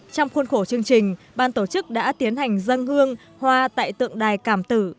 trong khuôn khổ chương trình ban tổ chức đã tiến hành dân hương hoa tại tượng đài càm tử